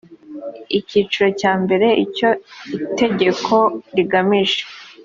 icyiciro cya mbere icyo itegeko rigamije